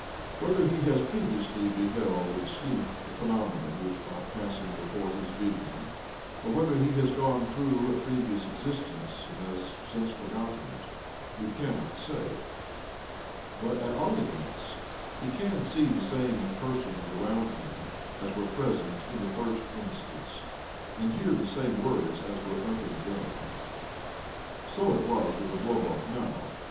Whether he has previously beheld in sleep the phenomena which are passing before his vision, or Whether he has gone through a previous existence and has since forgotten it, we cannot say ; but at all events he can see the same persons around him as were present in the first instance, and hear the same words as were uttered then. So was it with Oblomov now.